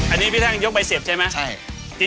อันนี้พี่แท่งยกใบเสียบใช่ไหม